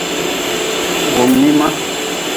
Humin ma.